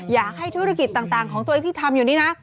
อยากให้ธุรกิจต่างของตัวเองที่ทำอยู่นี่นะ